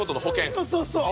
そうそうそう！